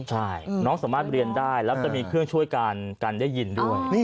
ใช่น้องสามารถเรียนได้แล้วจะมีเครื่องช่วยการได้ยินด้วย